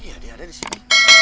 iya dia ada di sini